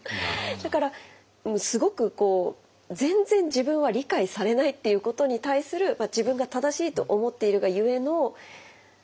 だからすごくこう全然自分は理解されないっていうことに対する自分が正しいと思っているがゆえの何かこう怒り。